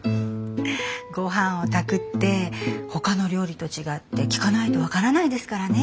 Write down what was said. ごはんを炊くってほかの料理と違って聞かないと分からないですからね。